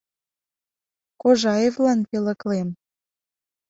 Кожаевлан пӧлеклем